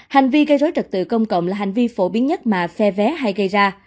hành vi gây rối trật tự công cộng là hành vi phổ biến nhất mà xe vé hay gây ra